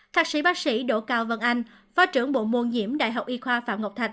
thạc sĩ bác sĩ đỗ cao vân anh phó trưởng bộ môn nhiễm đại học y khoa phạm ngọc thạch